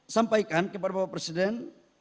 sampaikan kepada bapak presiden